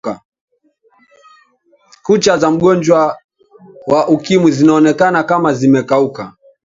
kucha za mgonjwa wa ukimwi zinaonekana kama zimekauka